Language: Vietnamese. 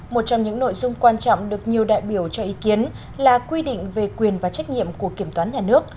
một trong những nội dung quan trọng được nhiều đại biểu cho ý kiến là quy định về quyền và trách nhiệm của kiểm toán nhà nước